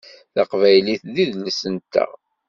Taqbaylit d idles-nteɣ.